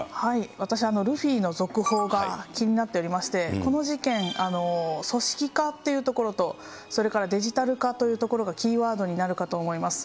私はルフィの続報が気になっておりまして、この事件、組織化というところと、それからデジタル化というところがキーワードになるかと思います。